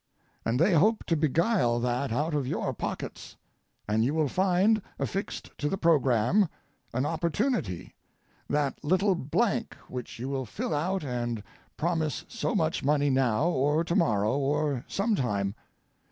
And they hope to beguile that out of your pockets, and you will find affixed to the programme an opportunity, that little blank which you will fill out and promise so much money now or to morrow or some time.